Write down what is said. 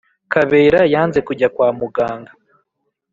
kabera yanze kujya kwa muganga